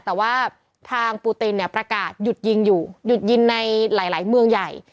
แต่ว่าทางปูตินเนี่ยประกาศหยุดยิงอยู่หยุดยิงในหลายเมืองใหญ่